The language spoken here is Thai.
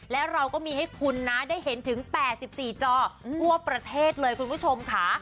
และเราก็มีให้คุณนะได้เห็นถึง๘๔จอทั่วประเทศเลยคุณผู้ชมค่ะ